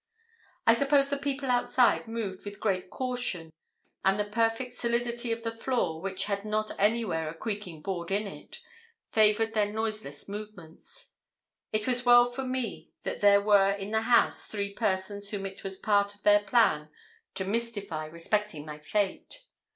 I suppose the people outside moved with great caution; and the perfect solidity of the floor, which had not anywhere a creaking board in it, favoured their noiseless movements. It was well for me that there were in the house three persons whom it was part of their plan to mystify respecting my fate.